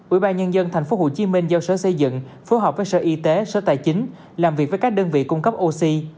ủy ban nhân dân thành phố hồ chí minh giao sở xây dựng phối hợp với sở y tế sở tài chính làm việc với các đơn vị cung cấp oxy